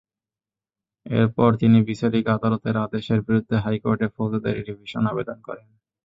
এরপর তিনি বিচারিক আদালতের আদেশের বিরুদ্ধে হাইকোর্টে ফৌজদারি রিভিশন আবেদন করেন।